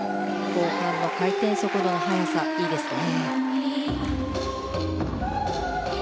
後半の回転速度の速さいいですね。